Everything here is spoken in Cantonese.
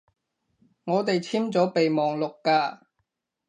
我哋簽咗備忘錄㗎